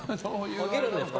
挙げるんですか？